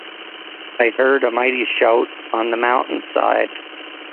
I heard a mighty shout on the mountainside.